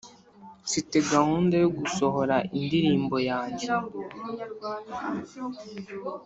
mfite gahunda yo gusohora indirimbo yanjye